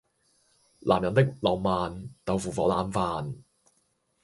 男人的浪漫，豆腐火腩飯